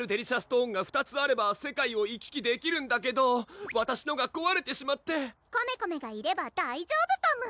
トーンが２つあれば世界を行き来できるんだけどわたしのがこわれてしまってコメコメがいれば大丈夫パム！